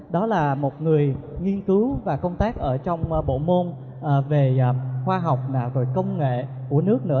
đó là một người nghiên cứu và công tác ở trong bộ môn về khoa học và công nghệ của nước nữa